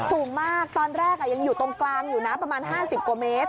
สูงมากตอนแรกยังอยู่ตรงกลางอยู่นะประมาณ๕๐กว่าเมตร